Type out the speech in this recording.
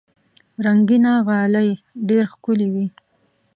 رنګینه غالۍ ډېر ښکلي وي.